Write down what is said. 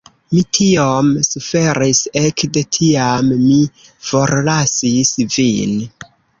Mi tiom suferis ekde kiam mi forlasis vin.